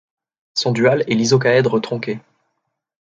Son dual est l'icosaèdre tronqué.